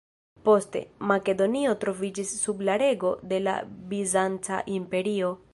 Poste, Makedonio troviĝis sub la rego de la Bizanca imperio.